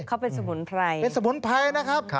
เขาเป็นสมุนไพร